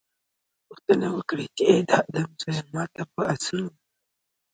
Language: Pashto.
پوښتنه وکړي چې اې د آدم زويه! ما ته په آسونو